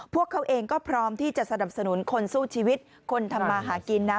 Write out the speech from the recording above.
พวกเขาเองก็พร้อมที่จะสนับสนุนคนสู้ชีวิตคนทำมาหากินนะ